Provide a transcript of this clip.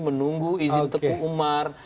menunggu izin teguh umar